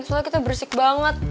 soalnya kita bersik banget